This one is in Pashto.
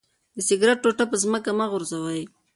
د سګرټ ټوټه په ځمکه مه غورځوئ.